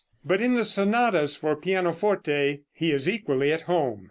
But in the sonatas for pianoforte he is equally at home.